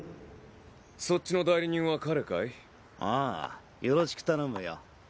そっちの代理人は彼かい？ああよろしく頼むよ。